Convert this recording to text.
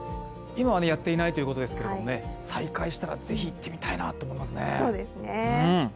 今はやっていないということですけど、再開したらぜひ行ってみたいなと思いますね。